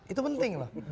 itu penting loh